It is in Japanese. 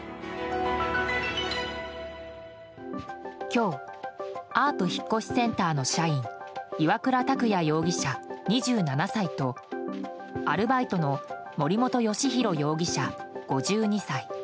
今日アート引越センターの社員岩倉拓弥容疑者、２７歳とアルバイトの森本義洋容疑者、５２歳。